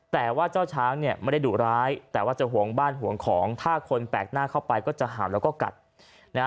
แต่ว่าเจ้าช้างเนี่ยไม่ได้ดุร้ายแต่ว่าจะห่วงบ้านห่วงของถ้าคนแปลกหน้าเข้าไปก็จะเห่าแล้วก็กัดนะฮะ